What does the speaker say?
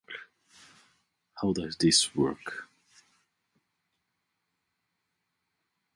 Assuming that the cylinder does not expand or contract, its radius stays the same.